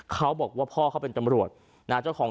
เขาบอกว่าพ่อเขาเป็นตำรวจนะ